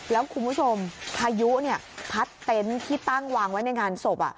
แล้วคุณผู้ชมพายุพัดเต็นต์ที่ตั้งวางไว้ในงานศพ